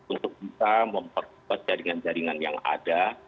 untuk bisa memperkuat jaringan jaringan yang ada